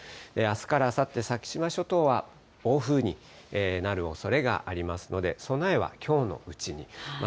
あすからあさって、先島諸島は暴風になるおそれがありますので、備えはきょうのうちに。